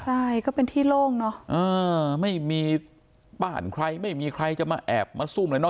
ใช่ก็เป็นที่โล่งเนอะเออไม่มีบ้านใครไม่มีใครจะมาแอบมาซุ่มอะไรเนอ